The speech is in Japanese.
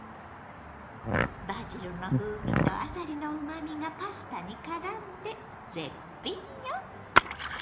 バジルの風味とあさりのうまみがパスタにからんで絶品よ！